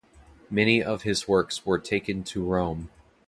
Many of his works were taken to Rome.